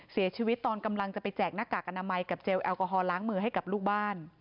ตอนกำลังจะไปแจกหน้ากากอนามัยกับเจลแอลกอฮอลล้างมือให้กับลูกบ้าน